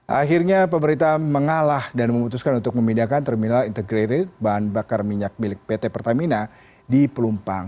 akhirnya pemerintah mengalah dan memutuskan untuk memindahkan terminal integrated bahan bakar minyak milik pt pertamina di pelumpang